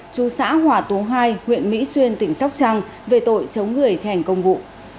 chú xã hòa tú hai huyện mỹ xuyên tỉnh sóc trăng về tội chống người thành công vụ